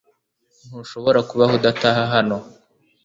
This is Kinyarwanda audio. Ntushobora kubaho udataha hano .